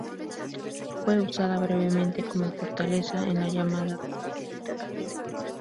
Fue usada brevemente como fortaleza en la llamada "guerra de restauración".